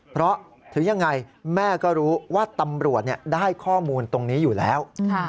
เพราะถึงยังไงแม่ก็รู้ว่าตำรวจได้ข้อมูลตรงนี้อยู่แล้ว